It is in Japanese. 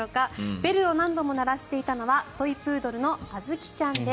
ベルを何度も鳴らしていたのはトイプードルのあずきちゃんです。